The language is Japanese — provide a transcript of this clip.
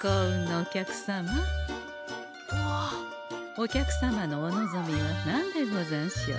お客様のお望みは何でござんしょう。